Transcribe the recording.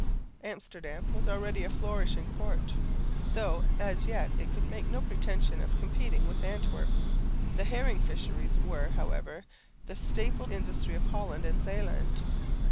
Amsterdam was already a flourishing port, though as yet it could make no pretension of competing with Antwerp. The herring fisheries were, however, the staple industry of Holland and Zeeland.